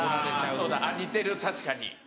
そうだ似てる確かに。